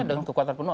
dan kekuatan penuh